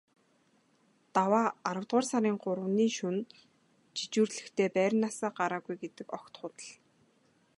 Даваа аравдугаар сарын гуравны шөнө жижүүрлэхдээ байрнаасаа гараагүй гэдэг огт худал.